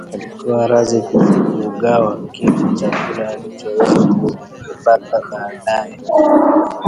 Alikuwa radhi kugawa kile chakula alichoweza kukipata baadaye